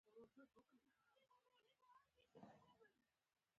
• د عقربو حرکت د هدفونو نښه ده.